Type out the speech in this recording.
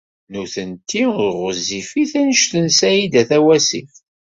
Nitenti ur ɣezzifit anect n Saɛida Tawasift.